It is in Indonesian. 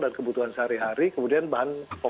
dan kebutuhan sehari hari kemudian barang kebun